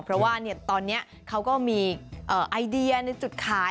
เพราะว่าตอนนี้เขาก็มีไอเดียในจุดขาย